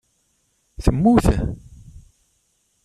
Temmut?